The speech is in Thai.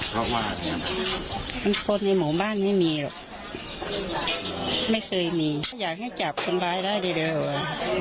เพราะว่าคนในหมู่บ้านไม่มีหรอกไม่เคยมีอยากให้จับคุณบ้ายได้ได้เลยหรือเปล่า